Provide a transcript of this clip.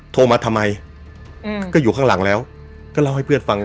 โทรมาทำไมอืมก็อยู่ข้างหลังแล้วก็เล่าให้เพื่อนฟัง